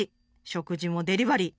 食事もデリバリー。